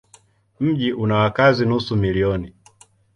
Mji una wakazi nusu milioni.